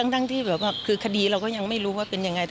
ตั้งที่คดีเราก็ยังไม่รู้ว่าเป็นยังไง